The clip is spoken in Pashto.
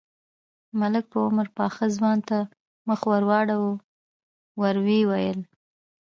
ملک په عمر پاخه ځوان ته مخ ور واړاوه، ورو يې وويل: